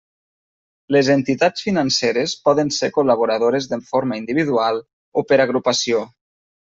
Les entitats financeres poden ser col·laboradores de forma individual o per agrupació.